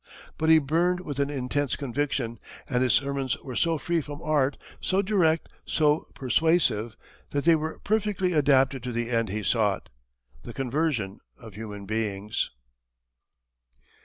But he burned with an intense conviction, and his sermons were so free from art, so direct, so persuasive, that they were perfectly adapted to the end he sought the conversion of human beings.